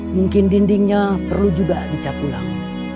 mungkin dindingnya perlu juga dicat ulang